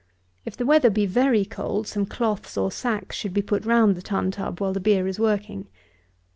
If the weather be very cold, some cloths or sacks should be put round the tun tub while the beer is working.